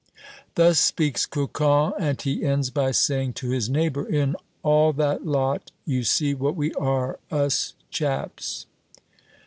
Thus speaks Cocon, and he ends by saying to his neighbor, "In all that lot, you see what we are, us chaps?"